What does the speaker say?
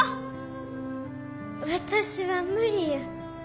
私は無理や。